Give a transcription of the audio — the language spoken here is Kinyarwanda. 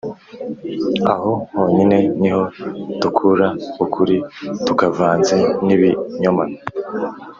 aho honyine ni ho dukura ukuri kutavanze n’ibinyoma